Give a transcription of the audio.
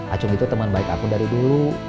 acung itu teman baik aku dari dulu